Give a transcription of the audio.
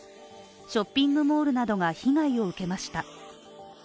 ショッピングモールなどが被害を受けました。